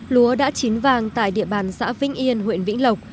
lúa đã chín vàng tại địa bàn xã vĩnh yên huyện vĩnh lộc